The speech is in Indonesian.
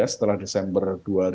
setelah desember dua ribu dua puluh